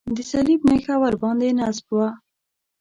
د صلیب نښه ورباندې نصب وه.